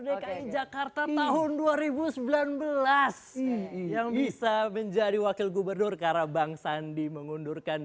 dki jakarta tahun dua ribu sembilan belas yang bisa menjadi wakil gubernur karena bang sandi mengundurkan